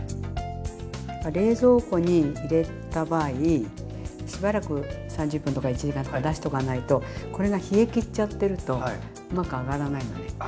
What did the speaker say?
冷蔵庫に入れた場合しばらく３０分とか１時間とか出しとかないとこれが冷え切っちゃってるとうまく揚がらないのね。